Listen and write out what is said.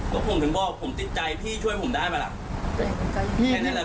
แล้วผมถึงบอกผมติดใจพี่ช่วยผมได้ไหมล่ะ